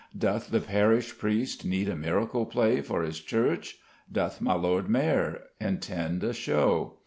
Doth the parish priest need a miracle play for his church? Doth my Lord Mayor intend a show?